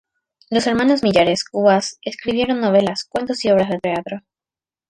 Los Hermanos Millares Cubas escribieron novelas, cuentos y obras de teatro.